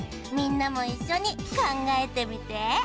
みんなもいっしょにかんがえてみて。